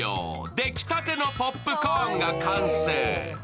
出来たてのポップコーンが完成。